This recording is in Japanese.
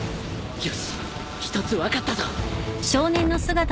よし一つ分かったぞ